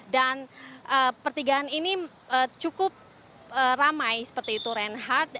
dan pertigaan ini cukup ramai seperti itu rehat